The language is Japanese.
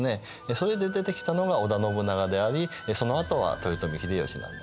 それで出てきたのが織田信長でありそのあとは豊臣秀吉なんですね。